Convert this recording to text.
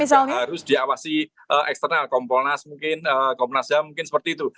ini pun juga harus diawasi eksternal kompolnas mungkin komnasnya mungkin seperti itu